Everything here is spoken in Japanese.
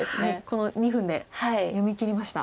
この２分で読みきりました。